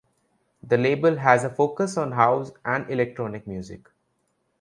The label has a focus on House and Electronic music.